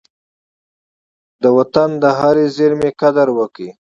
د وطن د هرې زېرمي قدر وکړه.